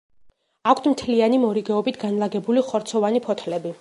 აქვთ მთლიანი, მორიგეობით განლაგებული ხორცოვანი ფოთლები.